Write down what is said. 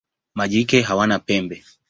Majike hawana pembe.